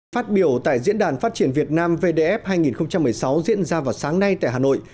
phát biểu tại diễn đàn phát triển việt nam vdf hai nghìn một mươi sáu diễn ra vào sáng nay tại hà nội